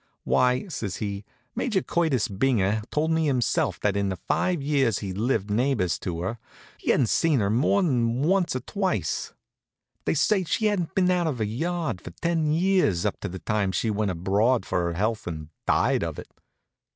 "Why," says he, "Major Curtis Binger told me himself that in the five years he lived neighbors to her he hadn't seen her more'n once or twice. They say she hadn't been out of her yard for ten years up to the time she went abroad for her health and died of it."